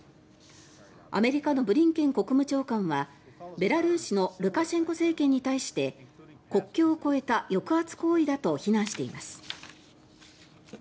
アメリカのブリンケン国務長官はベラルーシのルカシェンコ政権に対して国境を超えた抑圧行為だと非難しています。